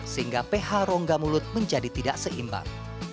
sehingga ph rongga mulut menjadi tidak seimbang